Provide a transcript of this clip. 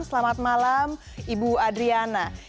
selamat malam ibu adriana